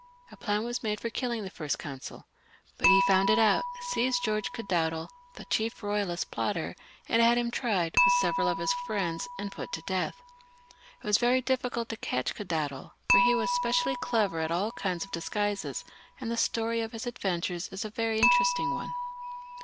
A plan was maa ^g chosen and*»i the First Consul, but he found it out, seiz^^g^ g^^ ™'(^ Cadondal, the chief Eoyalist plotter, and had him tix^ ^f jg^^g % several of his friends, and put to death. It was ver^w^ ^^ J cult to catch Cadondal, for he was specially clever akjtion ^ kinds of disguises, and the story of his adventures is\ gQ \ very interesting one.